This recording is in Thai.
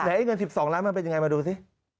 เหนียวไอ้เงิน๑๒ล้านมัวเป็นอย่างไรมาดูสิ